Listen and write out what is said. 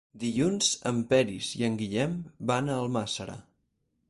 Dilluns en Peris i en Guillem van a Almàssera.